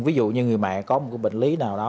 ví dụ như người mẹ có một bệnh lý nào đó